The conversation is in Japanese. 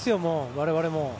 我々も。